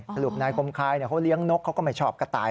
สรุปนายคมคายเขาเลี้ยงนกเขาก็ไม่ชอบกระต่าย